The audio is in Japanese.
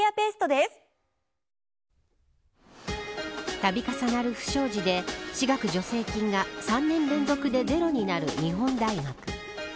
たび重なる不祥事で私学助成金が３年連続でゼロになる日本大学。